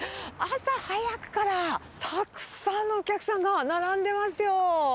朝早くからたくさんのお客さんが並んでますよ。